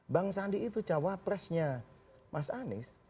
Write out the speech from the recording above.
bang sandi itu cawapresnya mas anies